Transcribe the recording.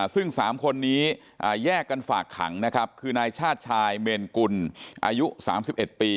ซึ่ง๓คนนี้แยกกันฝากขังนะครับคือนายชาติชายเมนกุลอายุ๓๑ปี